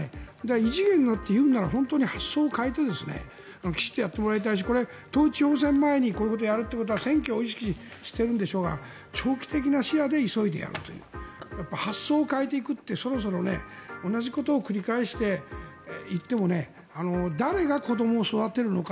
異次元のと言うなら本当に発想を変えてきちんとやってもらいたいし統一地方選前にこういうことをやるということは選挙を意識してるんでしょうが長期的な視野で急いでやるという発想を変えていくって、そろそろ同じことを繰り返していっても誰が子どもを育てるのか。